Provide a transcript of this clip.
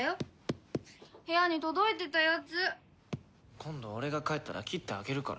今度俺が帰ったら切ってあげるから。